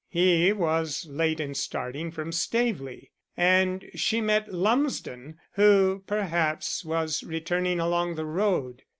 He was late in starting from Staveley, and she met Lumsden, who, perhaps, was returning along the road.